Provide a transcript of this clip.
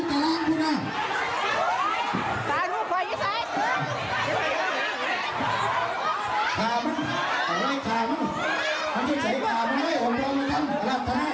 กายลูกเปล่ายังไง